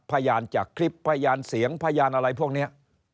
พยานจากคลิปพยานเสียงพยานอะไรพวกนี้